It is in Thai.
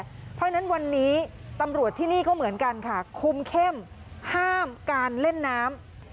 เพราะฉะนั้นวันนี้ตำรวจที่นี่ก็เหมือนกันค่ะคุมเข้มห้ามการเล่นน้ำ